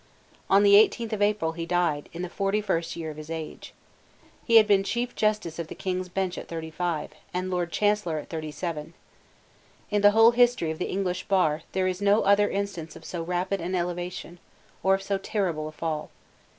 On the eighteenth of April he died, in the forty first year of his age. He had been Chief Justice of the King's Bench at thirty five, and Lord Chancellor at thirty seven. In the whole history of the English bar there is no other instance of so rapid an elevation, or of so terrible a fall.